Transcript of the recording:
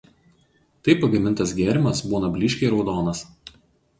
Taip pagamintas gėrimas būna blyškiai raudonas.